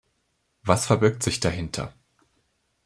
Was verbirgt sich dahinter?